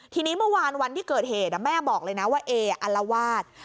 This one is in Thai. ทีนี้เมื่อวานวันที่เกิดเหตุแม่บอกเลยนะว่าเออัลวาส